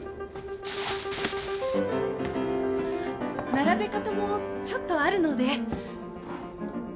並べ方もちょっとあるので。